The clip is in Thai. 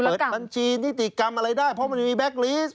เปิดบัญชีนิติกรรมอะไรได้เพราะมันมีแก๊กลิสต